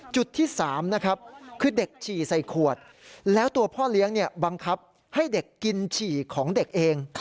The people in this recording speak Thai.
จุดที่๓นะครับคือเด็กฉี่ใส่ขวดแล้วตัวพ่อเลี้ยงบังคับให้เด็กกินฉี่ของเด็กเอง